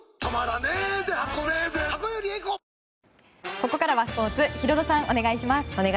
ここからはスポーツヒロドさん、お願いします。